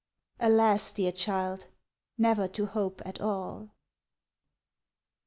Alas! dear child, never to hope at all.